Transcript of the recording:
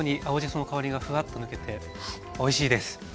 その香りがふわっと抜けておいしいです。